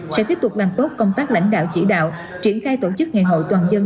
sẽ tiếp tục làm tốt công tác lãnh đạo chỉ đạo triển khai tổ chức ngày hội toàn dân